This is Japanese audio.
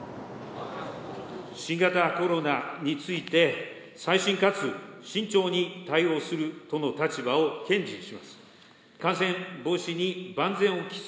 新型コロナについて、細心かつ慎重に対応するとの立場を堅持します。